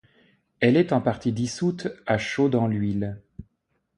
Elle est en partie dissoute à chaud dans l'huile.